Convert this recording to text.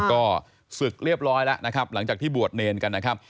ก็ศึกเรียบร้อยแล้วนะครับหลังจากที่บวชเนรกันนะครับ